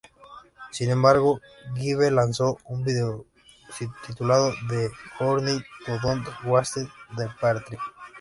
Sin embargo, Jive lanzo un video titulado "The Journey to Don't Waste the Pretty".